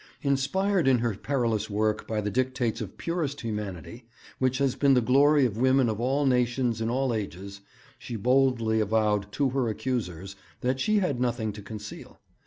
Inspired in her perilous work by the dictates of purest humanity, which has been the glory of women of all nations in all ages, she boldly avowed to her accusers that she had nothing to conceal.